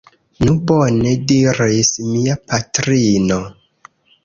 Nu bone! diris mia patrino.